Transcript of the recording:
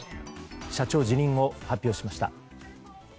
社長辞任を発表しました。